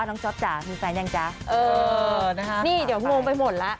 นี่จะงงไปหมดละ